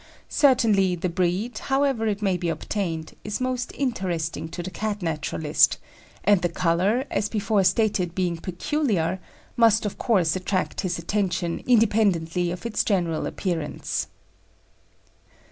Certainly, the breed, however it may be obtained, is most interesting to the Cat naturalist, and the colour, as before stated, being peculiar, must of course attract his attention independently of its general appearance.